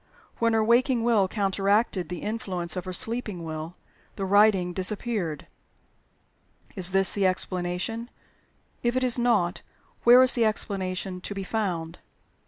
When her waking will counteracted the influence of her sleeping will, the writing disappeared. Is this the explanation? If it is not, where is the explanation to be found?